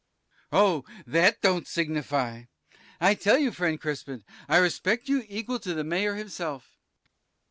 Sir B. Oh, that don't signify! I tell you, friend Crispin, I respect you equal to the mayor himself.